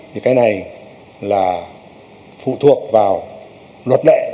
thì cái này là phụ thuộc vào luật lệ